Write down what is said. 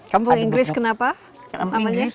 kampung inggris kenapa